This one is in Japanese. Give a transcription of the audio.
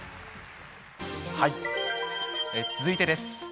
続いてです。